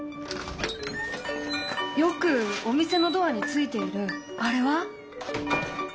よくお店のドアについているあれは？